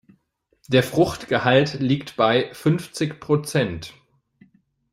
Der Fruchtgehalt liegt bei fünfzig Prozent.